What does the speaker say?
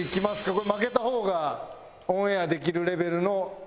これ負けた方がオンエアできるレベルの暴露。